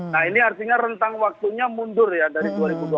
nah ini artinya rentang waktunya mundur ya dari dua ribu dua puluh